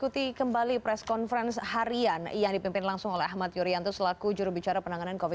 terima kasih selamat sore